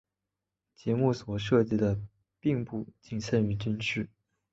节目所涉及的并不仅限于军事。